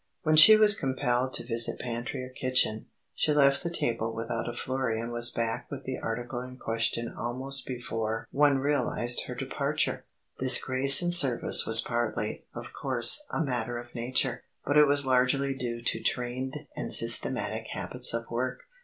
When she was compelled to visit pantry or kitchen, she left the table without a flurry and was back with the article in question almost before one realized her departure. This grace in service was partly, of course, a matter of nature, but it was largely due to trained and systematic habits of work.